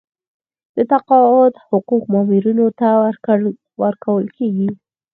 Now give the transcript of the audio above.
د تقاعد حقوق مامورینو ته ورکول کیږي